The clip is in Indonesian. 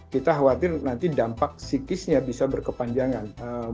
kita khawatir nanti dampak psikisnya bisa berkepanjangan